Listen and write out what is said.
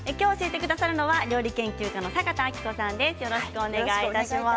今日教えてくださるのは料理研究家の坂田阿希子さんです。